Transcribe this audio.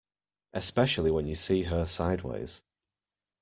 Especially when you see her sideways.